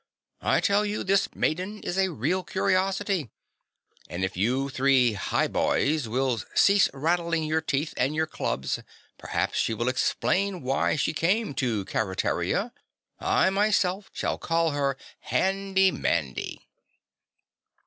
I tell you this maiden is a real curiosity and if you three Hi boys will cease rattling your teeth and your clubs, perhaps she will explain why she has come to Keretaria. I myself shall call her Handy Mandy."